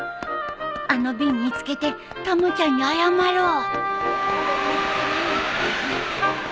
あの瓶見つけてたまちゃんに謝ろう